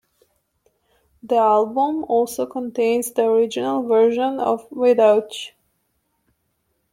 The album also contains the original version of "Without You".